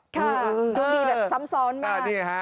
ค่ะดวงดีแบบซ้ำซ้อนมาก